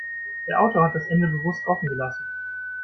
Der Autor hat das Ende bewusst offen gelassen.